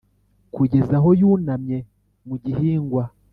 kugeza aho yunamye mu gihingwa;